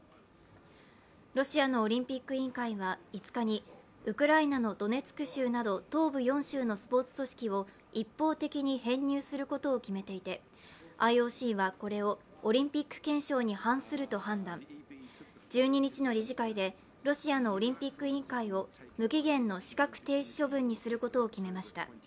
ロシアのオリンピック委員会は５日にウクライナのドネツク州など東部４州のスポーツ組織を一方的に編入することを決めていてＩＯＣはこれをオリンピック憲章に反すると判断１２日の理事会でロシアのオリンピック委員会を無期限の資格停止処分にすることを決めました。